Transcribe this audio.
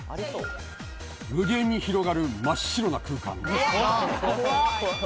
無限に広がる真っ白な空間。